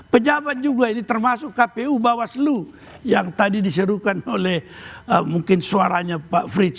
pejabat juga ini termasuk kpu bawaslu yang tadi diserukan oleh mungkin suaranya pak frits